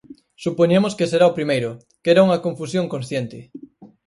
Supoñemos que será o primeiro, que era unha confusión consciente.